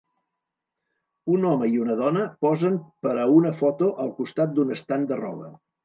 Un home i una dona posen per a una foto al costat d'un estant de roba.